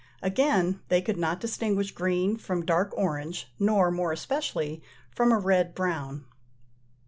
Again they could not distinguish green from dark orange, nor, more especially, from a red brown.